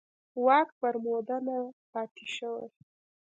واک پر موده نه پاتې شوي.